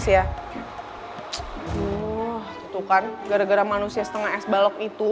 itu kan gara gara manusia setengah es balok itu